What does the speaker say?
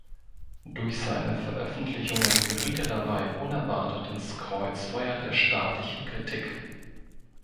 Durch seine Veröffentlichungen geriet er dabei unerwartet ins Kreuzfeuer der staatlichen Kritik.